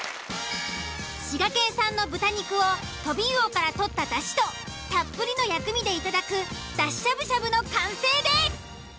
滋賀県産の豚肉をトビウオからとっただしとたっぷりの薬味でいただくだししゃぶしゃぶの完成です！